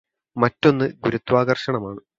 മറ്റൊന്ന് ഗുരുത്വാകര്ഷണം ആണ്